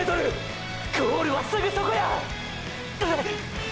ゴールはすぐそこや！！